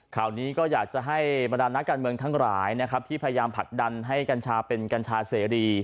ข่าวนี้ก็อยากจะให้บรรดานนักการเมืองทั้งหลายนะครับที่พยายามผลักดันให้กัญชาเป็นกัญชาเสรี